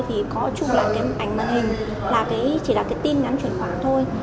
thì có chụp lại cái ảnh màn hình là chỉ là cái tin nhắn chuyển khoản thôi